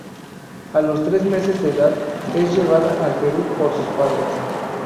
A los tres meses de edad es llevada al Perú por sus padres.